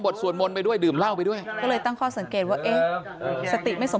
สวดมนต์ไปด้วยดื่มเหล้าไปด้วยก็เลยตั้งข้อสังเกตว่าเอ๊ะสติไม่สม